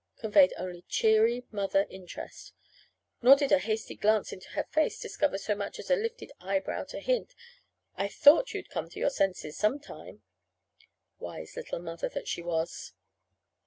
conveyed only cheery mother interest; nor did a hasty glance into her face discover so much as a lifted eyebrow to hint, "I thought you'd come to your senses sometime!" Wise little mother that she was!